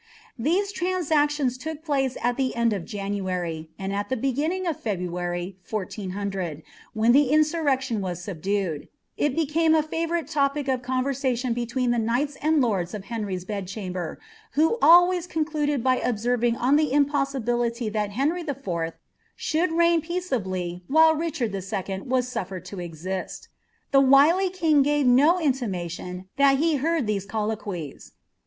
These transactions took place at the end of January, and ibe big^ ning of February, 1 100, when the insurrection was subdued ; ii bseui a luvnurile topic of conversation between the knighls and lords of Ilea* ry^s bed rhamber, who always concluded by observing OD the iflipo» biliiy thai Henry IV. should reign peaceably while Richard II. ww td fered lo exist. The wily king gave no inlinistion that ho hnrd ihm colloquies.